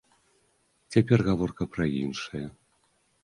Цяпер гаворка пра іншае.